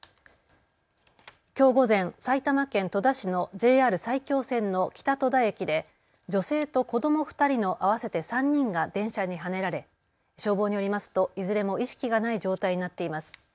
きょう午前、埼玉県戸田市のＪＲ埼京線の北戸田駅で女性と子ども２人の合わせて３人が電車にはねられ消防によりますといずれも意識がない状態になっています。